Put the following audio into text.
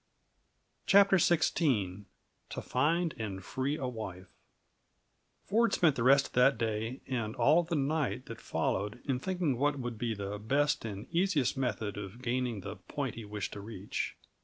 CHAPTER XVI To Find and Free a Wife Ford spent the rest of that day and all of the night that followed, in thinking what would be the best and the easiest method of gaining the point he wished to reach.